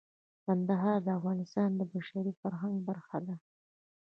کندهار د افغانستان د بشري فرهنګ برخه ده.